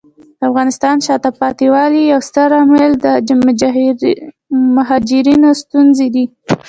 د افغانستان د شاته پاتې والي یو ستر عامل د مهاجرینو ستونزې دي.